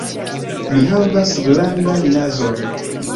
Mi havas grandan nazon.